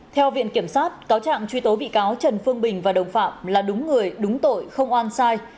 theo viện kiểm sát cáo trạng truy tố bị cáo trần phương bình và đồng phạm là đúng người đúng tội không oan sai